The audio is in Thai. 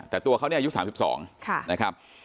แต่ตัวเขาเนี่ยอายุ๓๒นะครับ